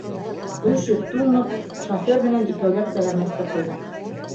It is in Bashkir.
Өшөп-туңып, шофер менән икәүләп тәгәрмәсте ҡуйҙыҡ.